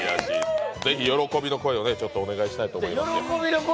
ぜひ喜びの声をお願いしたいと思います。